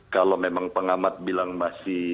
kalau memang pengamat bilang masih